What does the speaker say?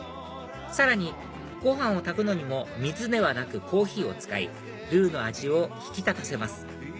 さらにご飯を炊くのにも水ではなくコーヒーを使いルーの味を引き立たせます